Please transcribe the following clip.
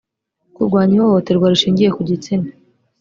kurwanya ihohoterwa rishingiye ku gitsina